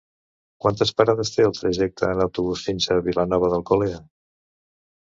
Quantes parades té el trajecte en autobús fins a Vilanova d'Alcolea?